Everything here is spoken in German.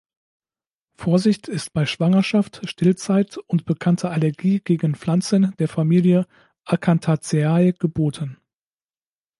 Vorsicht ist bei Schwangerschaft, Stillzeit und bekannter Allergie gegen Pflanzen der Familie Acanthaceae geboten.